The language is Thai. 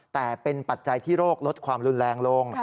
แต่เป็นปัจจัยที่โรคลดความรุนแรงลง